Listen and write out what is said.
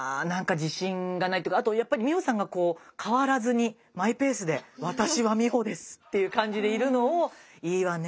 あとやっぱり美穂さんが変わらずにマイペースで「私は美穂です！」っていう感じでいるのをいいわね